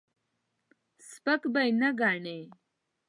سپک به یې نه ګڼې.